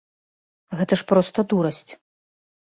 Гэта ж проста дурасць.